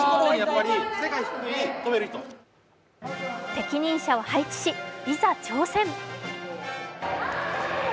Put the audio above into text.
適任者を配置し、いざ挑戦